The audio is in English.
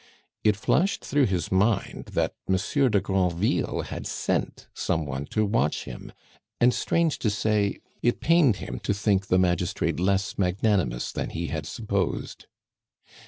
It flashed through his mind that Monsieur de Granville had sent some one to watch him, and, strange to say, it pained him to think the magistrate less magnanimous than he had supposed.